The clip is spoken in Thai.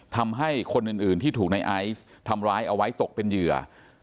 ทำให้คนอื่นที่ถูกในไอซ์ทำร้ายเอาไว้ตกเป็นเหยื่อ